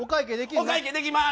お会計できます。